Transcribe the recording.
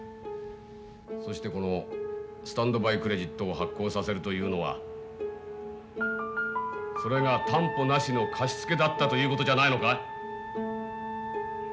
そしてこのスタンドバイ・クレジットを発行させるというのはそれが担保なしの貸し付けだったということじゃないのか？